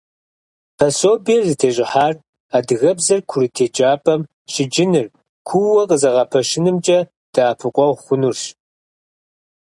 Пособиер зытещӀыхьар адыгэбзэр курыт еджапӀэм щыджыныр кууэ къызэгъэпэщынымкӀэ дэӀэпыкъуэгъу хъунырщ.